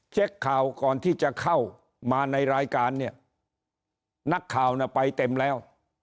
เช็คข่าวก่อนที่จะเข้ามาในรายการเนี่ยนักข่าวน่ะไปเต็มแล้ว